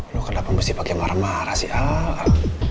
lu kenapa mesti pake marah marah sih al